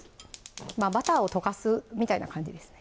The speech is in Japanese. まぁバターを溶かすみたいな感じですね